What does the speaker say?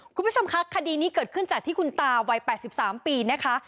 คุณผู้ชมคะคดีนี้เกิดขึ้นจากที่คุณตาวัย๘๓ปีนะคะ